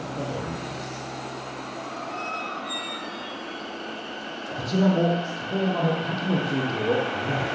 こちらも里山の秋の風景を未来へ。